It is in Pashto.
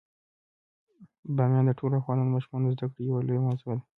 بامیان د ټولو افغان ماشومانو د زده کړې یوه لویه موضوع ده.